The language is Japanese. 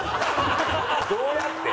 どうやって？